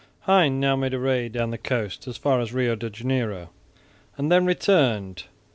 Hein now made a raid down the coast as far as Rio de Janeiro and then returned.